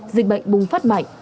dịch bệnh bùng phát mạnh